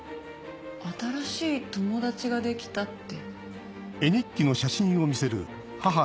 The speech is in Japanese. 新しい友達ができたって。